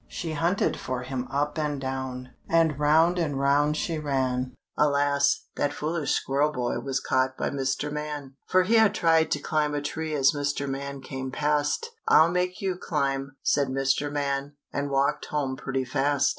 She hunted for him up and down And round and round she ran Alas, that foolish squirrel boy Was caught by Mr. Man. For he had tried to climb a tree As Mr. Man came past. "I'll make you climb!" said Mr. Man, And walked home pretty fast.